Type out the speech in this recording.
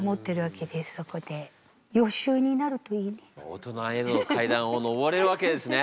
大人への階段を上れるわけですね。